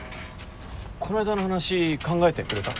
この間の話考えてくれた？